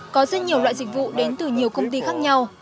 có rất nhiều loại dịch vụ đến từ nhiều công ty khác nhau